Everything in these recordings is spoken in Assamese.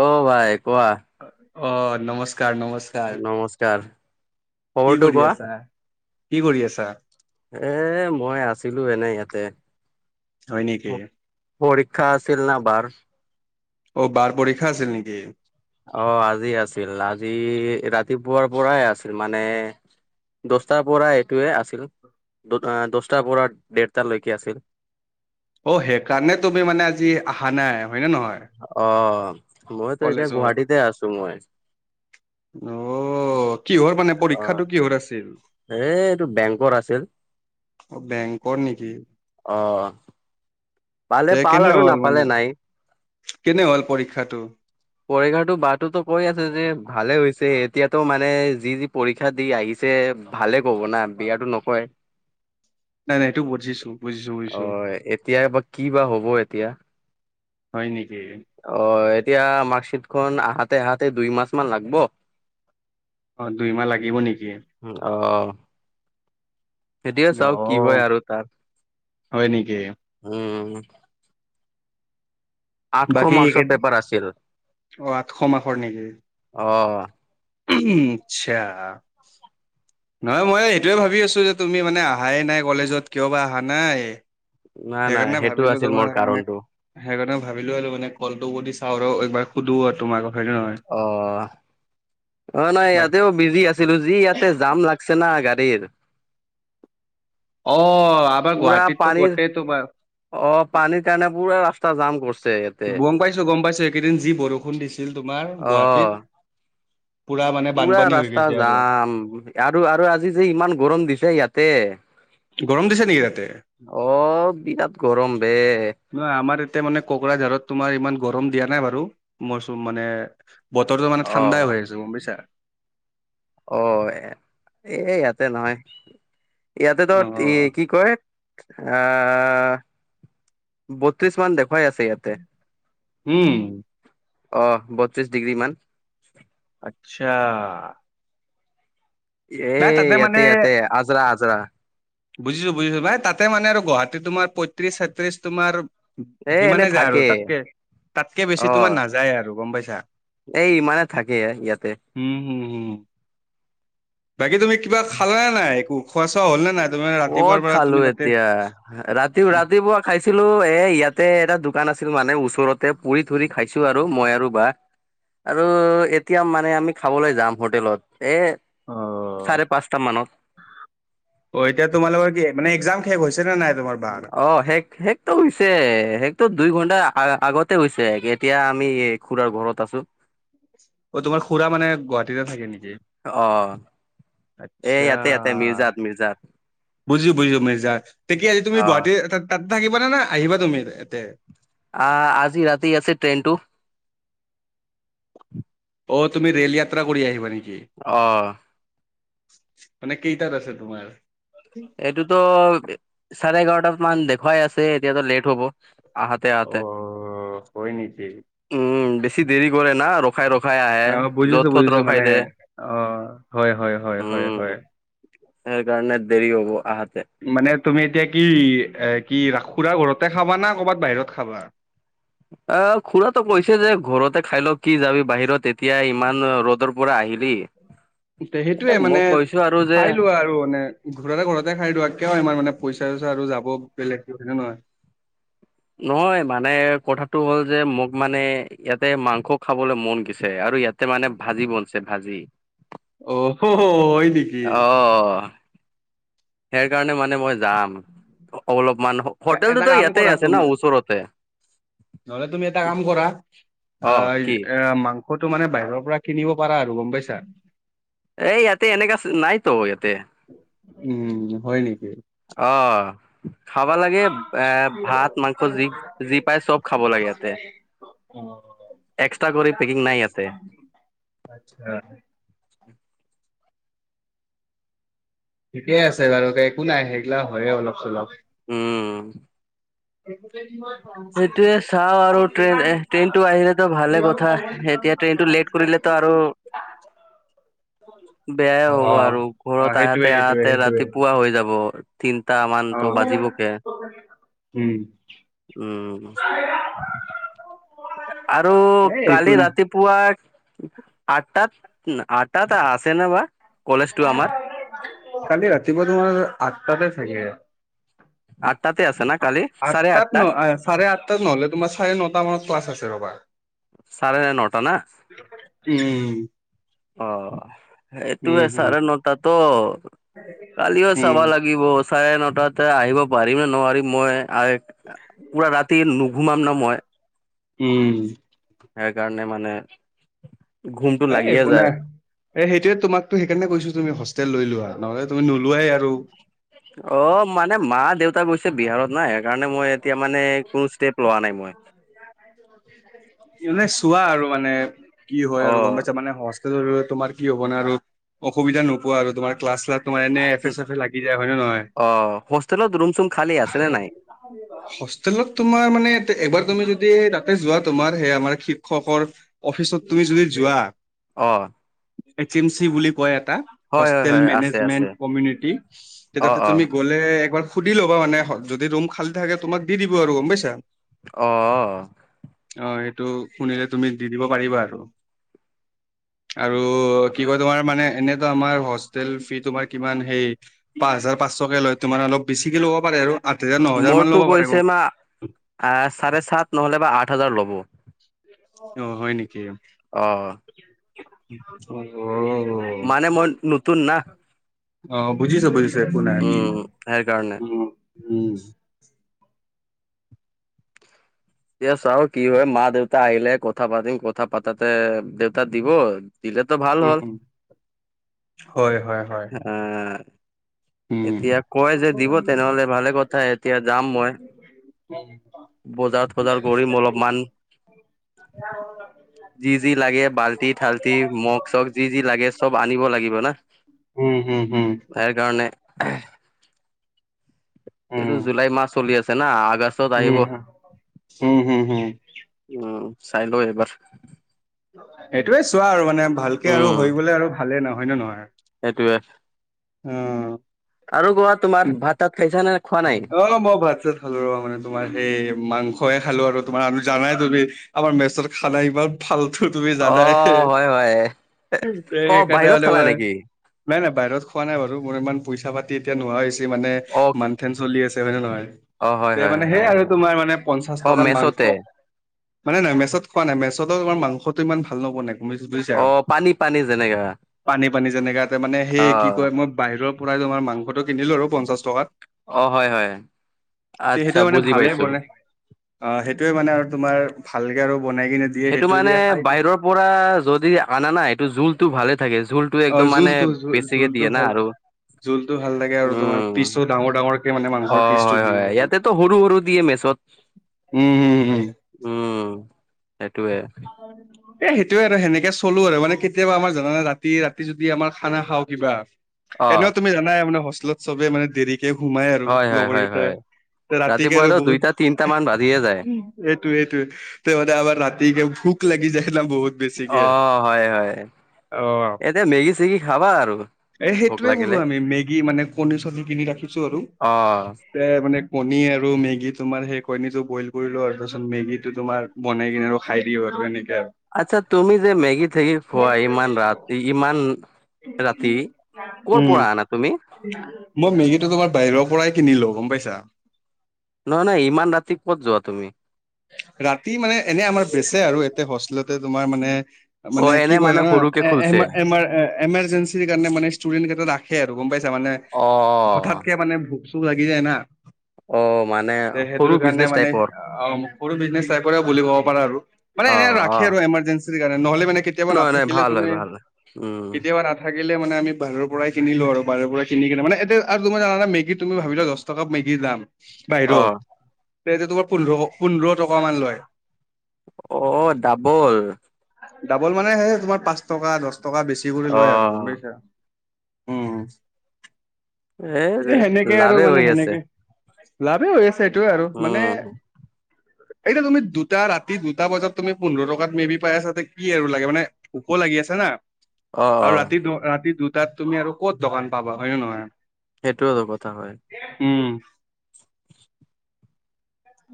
অ ভাই কোৱা অ নমস্কাৰ নমস্কাৰ। নমস্কাৰ। কি খবৰটো কৰি কোৱা আছা কি কৰি আছা। এ মই আছিলোঁ এনেই ইয়াতে। হয় নেকি? পৰীক্ষা আছিল না বাৰ। অ বাৰ পৰীক্ষা আছিল নেকি? অ আজি আছিল আজি ৰাতিপুৱাৰ পৰাই আছিল মানে। দশটাৰ পৰা এইটোৱে আছিল দশটাৰ পৰা ডেৰটালৈকে আছিল। অ সেইকাৰণে তুমি মানে আজি অহা নাই হয় নে নহয়। অ মইতো এতিয়া কলেজত গুৱাহাটীতে আছো মই। অ কিহৰ মানে অ পৰীক্ষাটো কিহৰ আছিল। এ এইটো বেংকৰ আছিল। অ বেংকৰ নেকি? অ পালে তে পাল কেনে আৰু হ'ল মানে নাপালে নাই। কেনে হ'ল পৰীক্ষাটো? পৰীক্ষাতো বা তো কৈ আছে যে ভালে হৈছে এতিয়াতো মানে যি যি পৰীক্ষা দি আহি যে ভালে ক'ব না বেয়াটো নকয়। নাই নাই এইটো বুজিছোঁ, বুজিছোঁ, বুজিছোঁ। এ এতিয়া বৰ্ত কি বা হ'ব এতিয়া? হয় নেকি? অ এতিয়া মাৰ্কশিটখন আহোতে আহোতে দুই মাহ মান লাগিব। অ দুই মাহ লাগিব নেকি? অ। এতিয়া চাওক কি হয় অ', আৰু তাৰ হয় নেকি? উম। আঠশ বাকী মাৰ্ক্সৰ এইকেইদিন পেপাৰ আছিল অ', আঠশ মাৰ্কৰ নেকি? অ। আচ্ছা। নহয় মই সেইটোৱে ভাবি আছোঁ যে তুমি মানে অহাই নাই কলেজত কিয় বা অহা নাই? নাই নাই সেইকাৰণে সেইটো ভাবিলো আছিল মোৰ তোমাৰ মানে কাৰণটো সেইকাৰণে ভাবিলো আহলো মানে কলটো ক চাও ৰ একবাৰ সুধো আৰু তোমাক‌। অ অ নাই বাট ইয়াতে বিজি আছিলো যি ইয়াতে জাম লাগছে না গাড়ীত। অ। আমাৰ পুৰা গুৱাহাটীততো পানীৰ গোটেই তোমাৰ অ পানীৰ কাৰণে পুৰা ৰাস্তা জাম কৰছে। গম পাইছো গম পাইছো এইকেইদিন যি বৰষুণ দিছিল তোমাৰ অ', গুৱাহাটীত। পুৰা মানে পুৰা বানপানী হৈ ৰাস্তা গৈছে আৰু যাম আৰু আৰু আজি যে ইমান গৰম দিছে ইয়াতে। গৰম দিছে নেকি তাতে অ বিৰাট গৰম বে। নহয় আমাৰ এতিয়া মানে কোকৰাঝাৰত তোমাৰ ইমান গৰম দিয়া নাই বাৰু মইচুম মানে বতৰটো মানে ঠাণ্ডাই অ', হৈ আছ গম পাইছা অ এ ইয়াতে নহয় ইয়াতে ত অ ই কি কয়? আহ বত্ৰিশ মান দেখুৱাই আছে ইয়াত। উম। অ বত্ৰিশ ডিগ্ৰী মান আচ্ছা। এ নাই তাতে ইয়াতে ইয়াতে আজৰা আজৰা। বুজিছোঁ বুজিছো ভাই তাতে মানে আৰু গুৱাহাটী তোমাৰ পঁয়ত্ৰিশ, সাতত্ৰিশ তোমাৰ এ এনে সিমানে যায়, থাকে আৰু তাতকে তাতকে বেছি তোমাৰ অ', নাযায় আৰু গম পাইছা? এই ইমানে থাকে ইয়াতে। উম উম উম বাকী তুমি কিবা খালাে নাই একো খোৱা চোৱা হ'ল নে? নাই তুমি মানে ৰাতিপুৱাৰ কত পৰা তুমি খালো তাতে এতিয়া ৰাতি ৰাতিপুৱা? খাইছিলো এ ইয়াতে এটা দোকান আছিল মানে ওচৰতে পুৰি ধৰি খাইছো আৰু মই আৰু বা। আৰু এতিয়া মানে আমি খাবলে যাম হোটেলত এ অ চাৰে পাঁচটা মানত। অ এতিয়া তোমালোকৰ কি মানে এ্কজাম শেষ হৈছে নে নাই? তোমাৰ বাৰ অ শেষ শেষ হৈছে শেষ দুই ঘন্টা আ আগতে হৈছে, এতিয়া আমি এই খুৰাৰ ঘৰত আছো। অ তোমাৰ খুৰা মানে গুৱাহাটীতে থাকে নেকি? অ এ ইয়াতে ইয়াতে মিৰ্জাত মিৰ্জাত। বুজিছোঁ বুজিছোঁ মিৰ্জা তেতিয়া আজি তুমি অ গুৱাহাটীৰ তাতে থাকিবানে না আহিবা তুমি ইয়াতে? আ আজি ৰাতি আছে ট্ৰেইনটো। অ তুমি ৰেল যাত্ৰা কৰি আহিবা নেকি? অ। মানে কেইটাত আছে তোমাৰ? এইটোতো চাৰে এঘাৰটাত মান দেখুৱাই আছে এতিয়াতো লেট হ'ব। আহাতে হাতে, অ', হয় নেকি? উম বেছি দেৰি কৰে না ৰ ৰখাই ৰখাই আহে অ', যত বুজিছো তত বুজিছো ৰোখাই মানে দে অ', হয় হয় হয় হয় হয়। উম। সেইকাৰণে দেৰি হব আহাতে। মানে তুমি এতিয়া কি এ কি ৰা খুৰাৰ ঘৰতে খাবা না কৰ'বাত বাহিৰত খাবা? অ খুৰাটো কৈছে যে ঘৰতে খায় ল, কি যাবি বাহিৰত এতিয়া ইমান ৰ'দৰ পৰা আহিলি। তে সেইটোৱে মই মানে কৈছো আৰু যে খায় লোৱা আৰু মানে ঘৰতে ঘৰতে খায় লোৱা কিয় ইমাৰ মানে পইচা চইচা আৰু যাব বেলেগকে হয় নে নহয়? নহয় মানে কথাটো হ'ল যে মোক মানে ইয়াতে মাংস খাবলৈ মন গছে আৰু ইয়াত তে মানে ভাজি বনছে ভাজি। অ, হ হ হয় নি? অ, সেকাৰণে মানে মই যাম, অলপমান এটা হোটেলটোতো কাম কৰা ইয়াতেই আছে তুমি ন ওচৰতে। নহলে তুমি এটা কাম কৰা অ এ মাং সটো মানে বাহিৰৰ পৰা কিনিব পাৰা আৰু গম পাইছা। এই ইয়াতে এনেকা নাই ত ইয়াতে। উম, হয় নেকি? অহ। খাব লাগে এ ভাত মাংস যি যি পায় চব খাব লাগে ইয়াতে। অ'। এক্সট্ৰা কৰি পেকিং নাই ইয়াতে। আচ্ছা। ঠিকেই আছে বাৰু দে একো নাই সেইগিলা হয়ে অলপ চলপ। উম,। [unintelligible] সেইটোৱে চাও আৰু ট্ৰেইন এ ট্ৰেইনটো আহিলেতো ভালে কথা, এতিয়া ট্ৰেইনটো লেট কৰিলে ত আৰু [inaudible] বেয়াই অ হ'ব আৰু অ ঘৰত সেইটোৱে আহাতে সেইটোৱে আহাতে সেইটোৱে ৰাতিপুৱা হৈ যাব। তিনটা মান অ ত বাজিবগে। উম। উম। আৰু এ একো কালি নাই ৰাতি পুৱা আঠটাত আঠটাত আছেনে বা? কলেজটো আমাৰ [unintelligible] কালি ৰাতিপুৱা তোমাৰ আঠটাতে থাকে। আঠটাতে আছে না কালি আঠ চাৰে আঠটা তাত ন চাৰে আঠ টাত নহ'লে তোমাৰ চাৰে নটা মানত বাছ আছে ৰবা। চাৰে ন নটা না? উম অ। সেইটোৱে উম হম চাৰে নটা ত কালিও চাব উম লাগিব। চাৰে নটাতে আহিব পাৰিম নে নোৱাৰিম মই, আই পোৰা ৰাতি নুঘুমাম ন মই। উম। সেইকাৰণে মানে ঘুমটো এ, লাগিয়ে একো যায় নাই। এ, সেইটোয়ে তোমাকো টো সেইকাৰণে কৈছো, তুমি হোষ্টেল লৈ লোৱা, নহ'লে তুমি নোলোৱাই আৰু। অ, মানে মা দেউতা গৈছে বিহাৰত নাই। সেইকাৰণে, মই এতিয়া মানে কোনো ষ্টেপ লোৱা নাই মই। [inaudible] মানে চোৱা আৰু মানে কি হয় অ আৰু গম পাই মানে হষ্টল আৰু তোমাৰ কি হ'ব ন আৰু অসুবিধা নোপোৱা আৰু তোমাৰ ক্লাছ তোমাৰ এনে এফে চেফে লাগি যায় হয় নে নহয়? অ, হোষ্টেলত ৰুম চুম খালী আছে নে নাই? [unintelligible] হোষ্টেলত তোমাৰ মানে, এবাৰ তুমি যদি তাতে যোৱা, তোমাৰ সেই আমাৰ শিক্ষকৰ অফিচত তুমি যদি যোৱা, অ, এজেন চি বুলি কয় এটা হয় হয় হোষ্টেল হয় আছে আছে মেনেজমেন্টত কমিউনিটীৰ অ তাতেই অ তুমি গ'ল তে একবাৰ সুধি ল'বা মানে, যদি ৰুম খালী থাকে, তোমাক দি দিব আৰু গম পাইছা। অ, অ, অ। অ এইটো শুনিলেই, তুমি দি দিব পাৰিবা আৰু আৰু কিবা তোমাৰ মানে এনেইতো আমাৰ হোষ্টেল ফিজ তোমাৰ কিমান হেই? পাঁচ হাজাৰ পাঁচশকে লয়, তোমাৰ অলপ বেছি কে লব পাৰে আঠ হাজাৰ মা মোৰতো কৈছে মা, চাৰে চাত নহলে বা আঠ হাজাৰ ল'ব। অ, হয় নেকি? [inaudible] অ অ, অ, অ। মানে মই নতুন না অ, বুজিছে বুজিছে, একো নাই। উম, সেইকাৰণে। উ উম উম এতিয়া চাও কি হয়, মা দেউতা আহিলে কথা পাতিম। কথা পাতাতে দেউতা দিব দিলে তো ভাল হ'ল, উম হয় হয় হয় উম [inaudible] এতিয়া কয় যে দিব। তেনেহলে ভালে কথা, এতিয়া যাম মই [unintelligible] বজাৰ চজাৰ কৰিম অলপমান। [unintelligible] যি যি লাগে, বাল্টি-থাল্টি মগ চগ যি যি লাগে চব আনিব লাগিব না। হুম, হুম, হুম, তাইৰ কাৰণে [inaudible] উম এইটো উম জুলাই মাহ চলি আছে না, আগষ্ট? উম, হুম হুম হুম। উম, চাই ল এইবাৰ। এইটোয়ে চোৱা আৰু মানে ভালকে আৰু হৈ গ'লে আৰু ভালেই ন হয় ন নহয়? এইটোৱে। উম আৰু কোৱা তোমাৰ ভাত তাত খাইছা ন? [inaudible] খালো ৰ মেনে, তোমাৰ সেই মাংসই খালো আৰু তোমাৰ আৰু জানাই তুমি আমাৰ মেচত খানা ইমান ফালটো তুমি অ জানাই, হয় হয় অ বাহিৰত সেইকাৰণে [inaudible] খালা নেকি মই নাই নাই, বাহিৰত খোৱা নাই বাৰু, মোৰ ইমান পইচা পাতি এতিয়া নোহোৱা হৈছে মানে অ মান্থ এণ্ড চলি আছে মানে হয় নে নহয়? অ হয় তে হয় মানে সেই হয় আৰু তোমাৰ মানে পঞ্চাশ অ টকাত মাংস। মেচতে হয় নে নাই? মেছত কোৱা নে নাই, মেছত তোমাৰ মাংসটো ইমান ভাল নবনাই। [inaudible] বুজিছা। অ পানী পানী যেনেকা পানী পানী যেনেকা এইটোৱে, মানে সেই অ কি কয় মই বাহিৰৰ [unintelligible] মাংসটো কিনিলো আৰু পঞ্চাশ টকাত। অ, হয় হয়। তে আচ্ছা সেইটোৱে মানে বুজি ভালে পাইছো বনাই, অ সেইটোৱে মানে আৰু তোমাৰ ভালকে আৰু বনাই কিনে দিয়ে সেইটো মানে দিয়ে খাই দি বাহিৰৰ পৰা যদি আনা নাই এইটো জোলটো ভালে থাকে। জোল টো অ একদম মানে জোলটো জোল বেছিকে জোলটো দিয়ে না ভাল আৰু জোলটো ভাল লাগে আৰু তোমাৰ উম পিছো দাম ডাঙৰ ডাঙৰকে মানে অ মাংসৰ পিচটো হয় হয় ইয়াতেতো সৰু সৰু দিয়ে মেচত [unintelligible] উম উম। সেটোৱে। [unintelligible] এ সেইটোৱে আৰু সেনেকে চলো আৰু মানে কেতিয়াবা আমাৰ জানা নে? ৰাতি ৰাতি যদি আমাৰ খানা খাওঁ কিবা। অ এনেও তুমি জানাই মানে হোষ্টেলত চবে মানে দেৰি কে সোমাই আৰু হয় হয় হয় লগৰকেইটাই। হয় ৰাতিকে আৰু ৰাতিপুৱাতো বহুত দুইটা তিনটা মান বাজিয়ে যায় এইটো এইটোৱে। তে মানে আমাৰ ৰাতিকে ভোক লাগি যায় না বহুত। বেছিকে অ, হয় হয়। অ এতিয়া মেগি চেগি খাবা আৰু। এ ভোক সেইটোৱে কৰো লাগিলে আমি। মেগী মানে কণী চনি কিনি ৰাখিছো আৰু। অ মানে কণী আৰু মেগি তোমাৰ সেই কণী টো বইল কৰিলো আৰু তাৰপিছত মেগী টো তোমাৰ বনাই কিনে আৰু খাই দিওঁ আৰু এনেকা আৰু। আচ্ছা, তুমি যে মেগী থেগি খোৱা? ইমান ৰাতি ইমান ৰাতি কৰ উম পৰা আনা তুমি? মই মেগীটো তোমাৰ বাহিৰ পৰাই কিনিলো, গম পাইছা? নহয় নহয়। ইমান ৰাতি ক'ত যোৱা তুমি? ৰাতি মানে এনে আমাৰ বেচে আৰু ইয়াতে হোষ্টেলতে তোমাৰ মানে অ মানে কি এনে ক হয় মানে ন সৰুকে এ খুলছে এমাৰ্জেঞ্চিৰ কাৰণে মানে ষ্টুডেন্ট কেইটা ৰা সে আৰু গম পাইছা মানে, অ হঠাৎকে মানে ভোক চোক লাগি যায় না। অ মানে যে সৰু সেইটোৰ কাৰণে বিজনেচ মানে টাইপৰ অ'। সৰু বিজনেছ টাইপৰে বুলিব পাৰা আৰু। মানে অ এনে অ ৰাখে আৰু এমাৰজেঞ্চি। [unintelligible] নহলে মানে কেতিয়াবা নহয় নহয় নাথাকিলে ভাল হয় তুমি ভাল হয় উম কেতিয়াবা ৰা থাকিলে মানে আমি বাহিৰৰ পৰাই কিনি লওঁ আৰু। বাহিৰ পৰা কিনি কিনে মানে এতিয়া আৰু তুমি জানা নে? মেগিত তুমি ভাবিলা দচ টকা মেগিৰ দাম অ বাহিৰত। তে এতিয়া তোমাৰ পোন্ধৰশ পোন্ধৰ টকা মান লয়। অ', ডাবল। ডাবল মানে সেই তোমাৰ পাঁচ টকা দহ টকা বেছি কৰি অ লয় আৰু গম পাইছা? উম, এ সেনেকে আৰু লাভে মানে হৈ আছে সেনেকে। লাভে হৈ আছে এইটোৱে আৰু মানে। উম এতিয়া তুমি দুটা ৰাতি দুটা বজাত তুমি পোন্ধৰ টকাত মে বি পাই আছাতে কি আৰু লাগে মানে। ওপ লাগি আছে না। অ আৰু অ ৰাতি দু ৰাতি দুটাত তুমি আৰু ক'ত দোকান পাবা, হয় নে নহয়? সেইটোওতো কথা হয়। উম,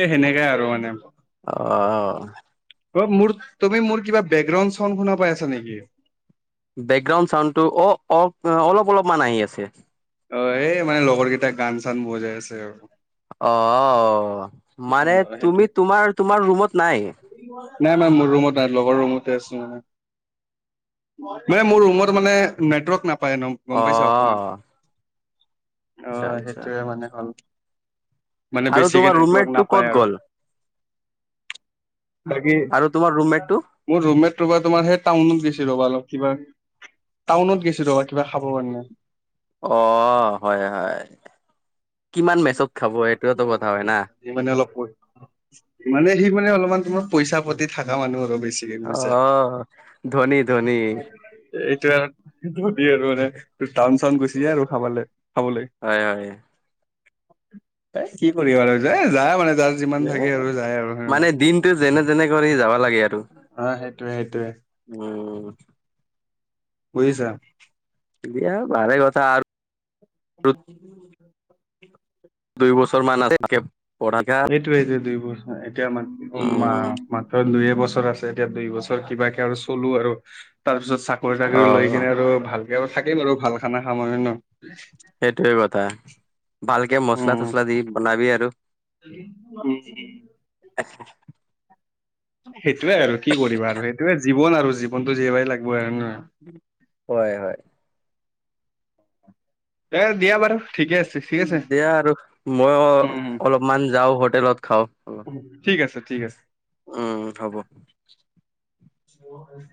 এ সেনেকাই আৰু মানে। অ'। অ' মোৰ তুমি মোৰ কিবা বেকগ্ৰাউণ্ড চাওণ্ড শুনা পাই আছা নেকি? বেকগ্ৰাউণ্ড ছাউণ্ডটো অ' অ', অলপ অলপমান আহি আছে। অ', এই মানে লগৰ কেইটা গান চান বজাই আছে আৰু। অ'। অ মানে সেইটো তুমি তোমাৰ তোমাৰ ৰুমত নাই। নাই মাই মোৰ ৰুমত নাই। লগৰ ৰুমতে আছো মানে। মানে মোৰ ৰুমত মানে নেটৱৰ্ক নাপায় একদম। অহ অ' সেইটোৱে মানে হ'ল। মানে আৰু বেছিকে তোমাৰ নেটৱৰ্ক ৰুমমেট। টো নাপায় ক'ত আৰু গ'ল বাকী আৰু তোমাৰ ৰুমমেটটো। মোৰ ৰুমমেট ৰবা তোমাৰ সেই টাউনত গৈছে ৰ'বা অলপ কিবা। টাউনত গৈছে ৰবা কিবা খাব কাৰণে। অ' হয় হয়। কিমান মেচত খাব এইটোৱেতো কথা হয় না সি মানে অলপ কয় মানে সি মানে অলপমান পইচা পাতি থকা মানুহ আৰু বেছিকে অ বুজিছা। ধনী ধনী এ এইটোয়ে আৰু ধনী আৰু মানে টাউন চাউন গুচি যায় আৰু খাবলে খাবলে হয় হয়। এ কি কৰিবা আৰু যে যাই মানে যায় যিমান এ থাকে আৰু আৰু হয় নে মানে নহয়। দিনটো যেনে তেনে কৰি যাব লাগে আৰু। অ সেইটোয়ে সেইটোয়ে উম। উম। বুজিছা। দিয়া ভালে কথা আৰু। [unintelligible] দুই বছৰ মান [unintelligible] এইটোৱেইতো দুইবছৰ এতিয়া আ মা উম মাত্ৰ দুই এবছৰ আছে এতিয়া দুই বছৰ কিবাকে আৰু চলো আৰু তাৰপিছত তা চাকৰি তাকৰি অ লৈ কিনে আৰু ভালকে থাকিম আৰু ভাল খানা খাম মানে ন'। সেইটোৱে কথা ভালকে মচলা চচলা দি বনাবি আৰু। উম উম। [unintelligible] সেইটোয়ে আৰু কি কৰিবা আৰু সেইটোয়ে জীৱন আৰু জীৱনটো জীয়াবই লাগিব আৰু ন হয় হয়। এ দিয়া বাৰু ঠিকে আছে। ঠিক আছে দিয়া আৰু মইয়ো উম উম অলপমান যাওঁ হোটেলত খাও অলপ। ঠিক আছে ঠিক আছে। উম হব। অ হয়।